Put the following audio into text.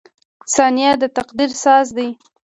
• ثانیه د تقدیر ساز دی.